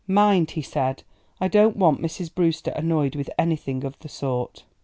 "Mind," he said, "I don't want Mrs. Brewster annoyed with anything of the sort."